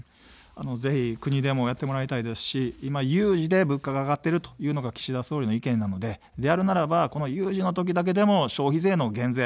ぜひ国でもやってもらいたいですし、今、有事で物価が上がっているというのが岸田総理の意見なので、であるならば有事の時だけでも消費税の減税。